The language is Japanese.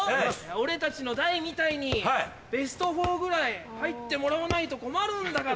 俺たちの代みたいにベスト４ぐらい入ってもらわないと困るんだから。